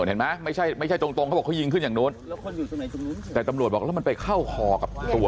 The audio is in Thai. เห็นไหมไม่ใช่ไม่ใช่ตรงตรงเขาบอกเขายิงขึ้นอย่างนู้นแต่ตำรวจบอกแล้วมันไปเข้าคอกับตัว